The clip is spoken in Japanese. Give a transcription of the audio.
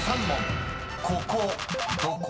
［ここどこ？］